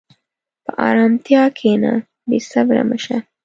په ارامتیا کښېنه، بېصبره مه شه.